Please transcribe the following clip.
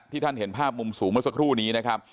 ที่ท่านเห็นภาพมุมสูงเมื่อสักครู่นี้